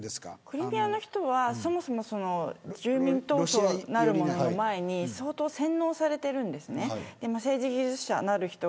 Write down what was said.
クリミアの人はそもそも住民投票なるものの前に相当、洗脳されています。